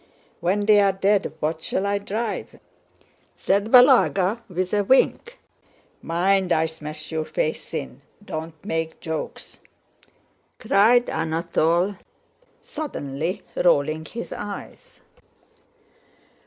"When they are dead, what shall I drive?" said Balagá with a wink. "Mind, I'll smash your face in! Don't make jokes!" cried Anatole, suddenly rolling his eyes.